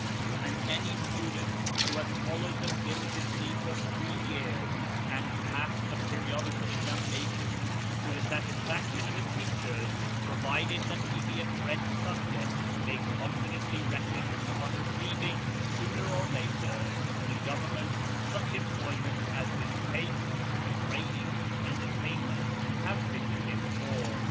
And any student who has followed them diligently for three years, and passed the periodical examinations to the satisfaction of his teachers, provided that he be a French subject, may confidently reckon on receiving sooner or later from the Government such employ ment as his tastes, training, and attainments have fitted him for.